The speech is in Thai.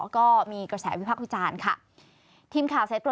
ก็มีกระแสวิภาควิจารณ์